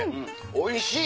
おいしい！